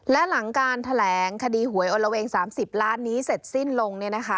และหลังการแถลงคดีหวยอลละเวง๓๐ล้านนี้เสร็จสิ้นลง